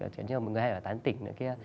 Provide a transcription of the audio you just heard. chẳng như là mọi người hay là tán tỉnh nữa kia